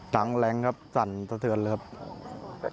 แรงครับสั่นสะเทือนเลยครับ